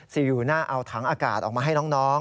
อยู่น่าเอาถังอากาศออกมาให้น้อง